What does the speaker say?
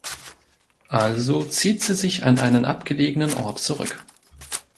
Also zieht sie sich an einen abgelegenen Ort zurück.